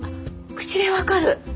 口で分かる！？